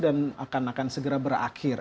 dan akan segera berakhir